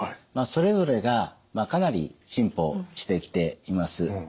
それぞれがかなり進歩してきています。